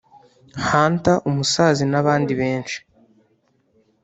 Hunter umusaza n’abandi benshi